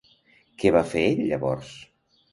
Què va fer ell llavors?